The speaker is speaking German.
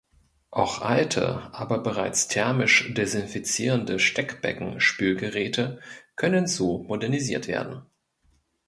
Auch alte, aber bereits thermisch desinfizierende Steckbecken-Spülgeräte können so modernisiert werden.